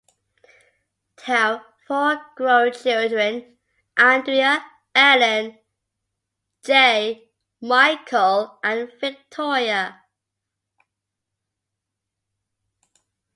They have four grown children: Andrea, Ellen, J. Michael, and Victoria.